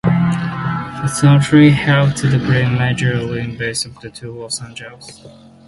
Anthony helped to bring major league baseball to Los Angeles.